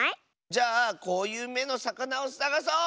じゃあこういう「め」のさかなをさがそう！